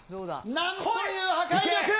なんという破壊力。